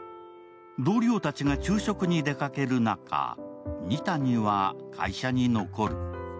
同僚たちが昼食に出かける中、二谷は会社に残る。